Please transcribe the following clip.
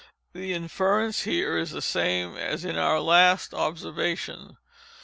The inference here is the same as in our last observation.